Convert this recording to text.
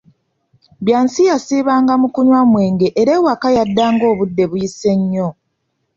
Byansi yasiibanga mu kunywa mwenge era ewaka yaddanga obudde buyise nnyo.